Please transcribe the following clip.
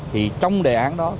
thì trong đề án đó